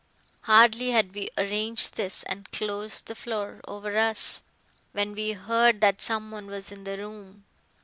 Hardly had we arranged this and closed the floor, over us when we heard that someone was in the room.